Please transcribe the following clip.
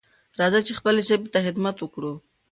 راځئ چې خپلې ژبې ته خدمت وکړو.